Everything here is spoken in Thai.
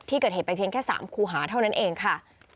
ที่เกิดเหตุไปเพียงแค่๓คูหาเท่านั้นเองค่ะ